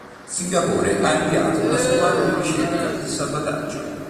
Singapore ha inviato una squadra di ricerca e salvataggio.